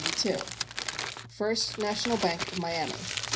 22, 1972 First National Bank of Miami.